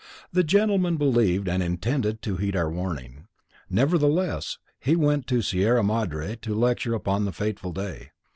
The gentleman believed and intended to heed our warning. Nevertheless he went to Sierra Madre to lecture upon the fateful day.